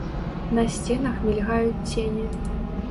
На сценах мільгаюць цені.